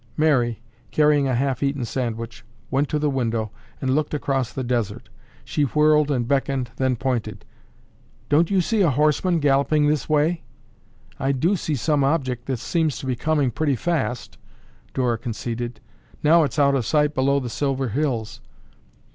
Mary, carrying a half eaten sandwich, went to the window and looked across the desert. She whirled and beckoned, then pointed. "Don't you see a horseman galloping this way?" "I do see some object that seems to be coming pretty fast," Dora conceded. "Now it's out of sight below the silver hills."